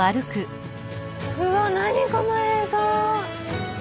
うわ何この映像！